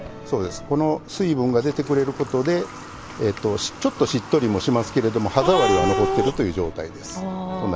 この水分が出てくれることでちょっとしっとりもしますけども歯触りは残ってるという状態です。